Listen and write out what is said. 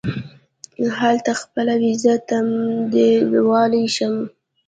هلته خپله وېزه تمدیدولای شم.